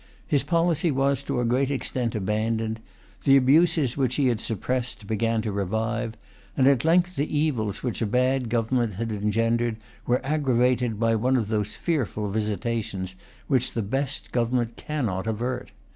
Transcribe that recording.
His policy was to a great extent abandoned; the abuses which he had suppressed began to revive; and at length the evils which a bad government had engendered were aggravated by one of those fearful visitations which the best government cannot avert.